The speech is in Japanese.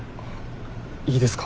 いいですか？